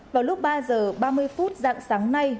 vào lúc ba h ba mươi phút dạng sáng nay